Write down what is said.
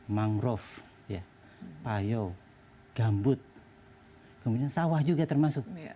mangrove payo gambut kemudian sawah juga termasuk